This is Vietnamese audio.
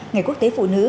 ngày quốc tế phụ nữ